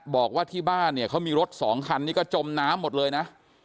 บอกว่าที่บ้านเนี่ยเขามีรถสองคันนี้ก็จมน้ำหมดเลยนะ